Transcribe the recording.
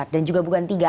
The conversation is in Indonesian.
dan juga bukan tiga